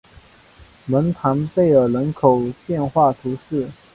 蒙唐贝尔人口变化图示